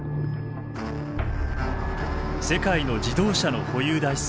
世界の自動車の保有台数。